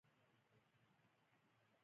زیره څه خوند لري؟